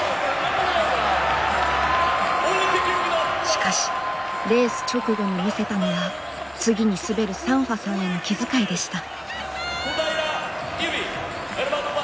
しかしレース直後に見せたのは次に滑るサンファさんへの気遣いでした。